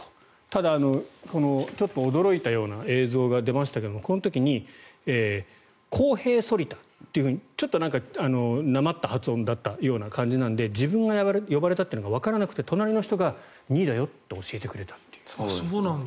ただ、ちょっと驚いたような映像が出ましたけどこの時にコーヘー・ソリタとちょっとなまった発音だったような感じなので自分が呼ばれたっていうのがわからなくて、隣の人が２位だよと教えてくれた。